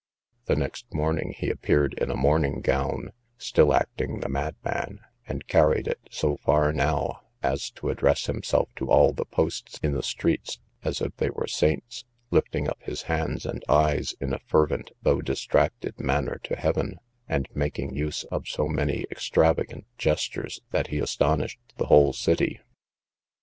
The next morning he appeared in a morning gown, still acting the madman, and carried it so far now, as to address himself to all the posts in the streets, as if they were saints, lifting up his hands and eyes in a fervent though distracted manner to heaven, and making use of so many extravagant gestures, that he astonished the whole city.